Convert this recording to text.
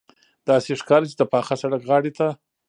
داسې ښکاري چې د پاخه سړک غاړې ته.